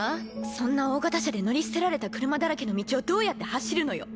そんな大型車で乗り捨てられた車だらけの道をどうやって走るのよ？